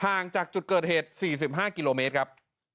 ห่างจากจุดเกิดเหตุ๔๕กิโลเมตรครับ